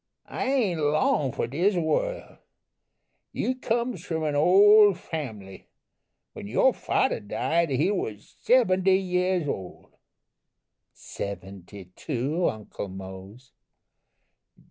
I ain't long for dis worl. You comes from an ole family. When your fodder died he was sebenty years ole." "Seventy two, Uncle Mose."